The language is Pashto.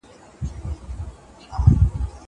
قلمان د زده کوونکي له خوا پاک کيږي.